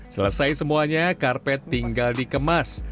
selesai semuanya karpet tinggal dikemas